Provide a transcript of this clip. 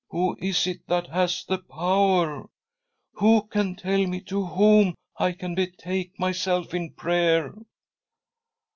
Who is it that has the power ? Who can tell me to Whom I can betake myself in prayer?